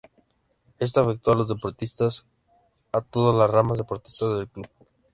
Esto afectó a los deportistas de todas las ramas deportivas del club.